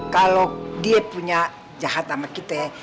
kalau dia punya jahat sama kita